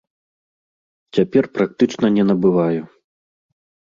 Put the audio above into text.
Цяпер практычна не набываю.